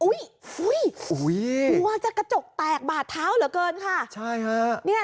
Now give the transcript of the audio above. อุ้ยอุ้ยอุ้ยกลัวจะกระจกแตกบาดเท้าเหรอเกินค่ะใช่ฮะเนี่ย